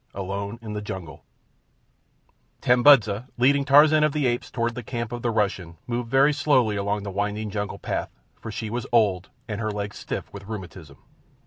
Alone in the Jungle Tambudza, leading Tarzan of the Apes toward the camp of the Russian, moved very slowly along the winding jungle path, for she was old and her legs stiff with rheumatism.